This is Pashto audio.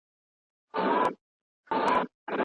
د بنسټونو تصمیمونه په اقتصاد خرد کې مهم دي.